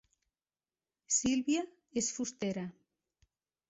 Sílvia és fustera